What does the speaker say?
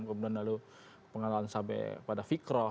kemudian lalu pengenalan sahabat kepada fikroh